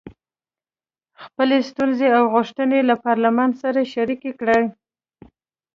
خپلې ستونزې او غوښتنې له پارلمان سره شریکې کړي.